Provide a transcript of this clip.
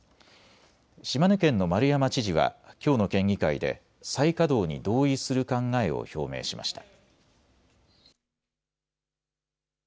島根県の丸山知事はきょうの県議会で再稼働に同意する考えを表明しました。